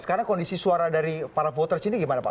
sekarang kondisi suara dari para voters ini gimana pak